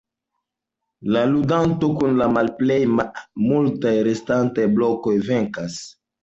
La ludanto kun la malplej multaj restantaj blokoj venkas.